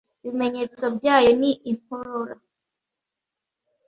Ibimenyetso byayo ni inkorora,